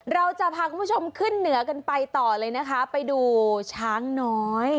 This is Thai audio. เราจะพาคุณผู้ชมขึ้นเหนือกันไปต่อเลยนะคะไปดูช้างน้อย